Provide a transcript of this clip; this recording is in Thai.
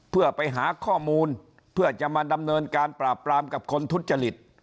เพื่อไปหาข้อมูลเพื่อจะมาดำเนินการปราบปรามกับคนทุจริต